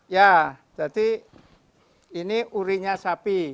ya jadi ini urinya sapi